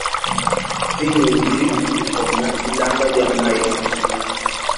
Vinie udi upona bilamba bia mayi onso.